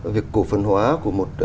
việc cổ phân hóa của một